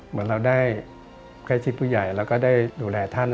เหมือนเราได้ใครชีพผู้ใหญ่เราก็ได้ดูแลท่าน